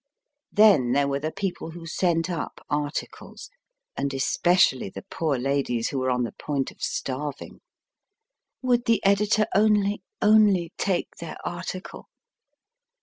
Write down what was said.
Then there were the people who sent up articles, and especially the poor ladies who were on the point of starving. Would the editor only only take their article